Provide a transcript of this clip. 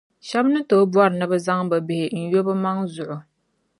Shɛba ti ni bɔri ni bɛ zaŋ bɛ bihi n-yo bɛ maŋa zuɣu.